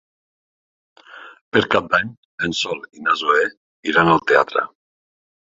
Per Cap d'Any en Sol i na Zoè iran al teatre.